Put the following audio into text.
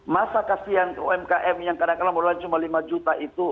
masa umkm yang kadang kadang modalnya cuma rp lima juta itu